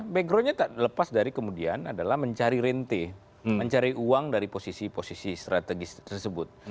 backgroundnya tak lepas dari kemudian adalah mencari rente mencari uang dari posisi posisi strategis tersebut